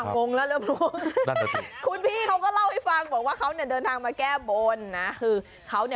เป็นม้าจริงนะคะ